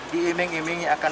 diiming imingi akan berjalan